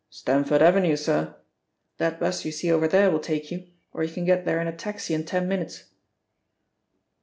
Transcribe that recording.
"Stamford Avenue, sir? That bus you see over there will take you, or you can get there in a taxi in ten minutes."